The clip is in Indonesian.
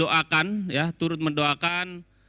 dan masyarakat turut mendoakan ya turut mendoakan